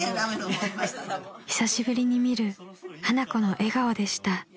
［久しぶりに見る花子の笑顔でした］